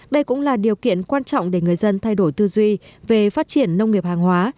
đây cũng là điều kiện quan trọng để người dân thay đổi tư duy về phát triển nông nghiệp hàng hóa